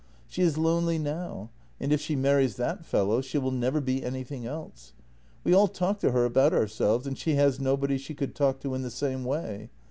She is lonely now, and if she marries that fellow she will never be anything else. We all talk to her about ourselves, and she has nobody she could talk to in the same way.